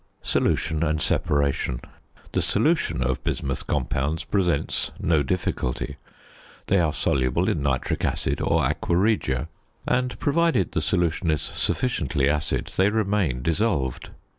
~Solution and Separation.~ The solution of bismuth compounds presents no difficulty. They are soluble in nitric acid or aqua regia, and, provided the solution is sufficiently acid, they remain dissolved.